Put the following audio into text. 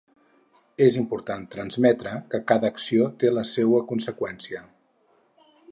És important transmetre, que cada acció té la seua conseqüència.